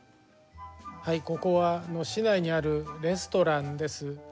はいここは市内にあるレストランです。